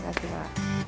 terima kasih pak